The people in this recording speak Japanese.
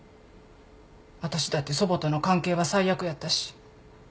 私だって祖母との関係は最悪やったし。